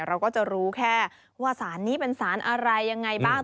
เราก็จะรู้แค่ว่าสารนี้เป็นสารอะไรยังไงบ้าง